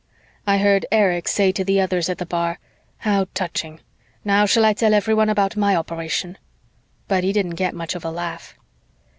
I heard Erich say to the others at the bar, "How touching! Now shall I tell everyone about my operation?" But he didn't get much of a laugh.